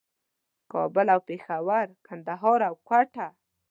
کابل او پېښور، کندهار او کوټه